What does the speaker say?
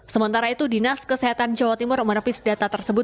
sementara itu dinas kesehatan jawa timur menepis data tersebut